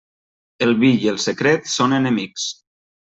El vi i el secret són enemics.